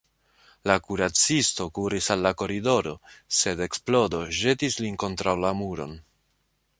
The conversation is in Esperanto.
La kuracisto kuris al la koridoro, sed eksplodo ĵetis lin kontraŭ la muron.